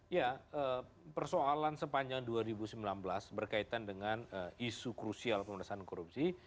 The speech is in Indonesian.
ya persoalan sepanjang dua ribu sembilan belas berkaitan dengan isu krusial pemerintahan korupsi